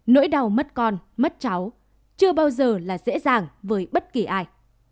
nỗi đau mất con mất cháu chưa bao giờ là dễ dàng với bất kỳ ai